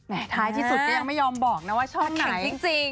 แหมท้ายที่สุดก็ยังไม่ยอมบอกนะว่าช่องไหน